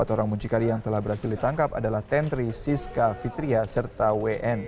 empat orang muncikari yang telah berhasil ditangkap adalah tentri siska fitria serta wn